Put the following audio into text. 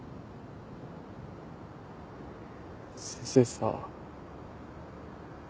先生さ。